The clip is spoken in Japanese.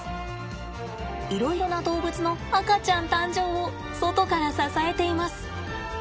いろいろな動物の赤ちゃん誕生を外から支えています。